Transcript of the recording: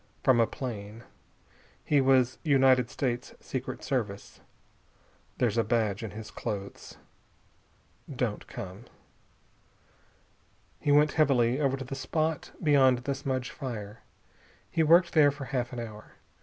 From a plane. He was United States Secret Service. There's a badge in his clothes. Don't come." He went heavily over to the spot beyond the smudge fire. He worked there for half an hour.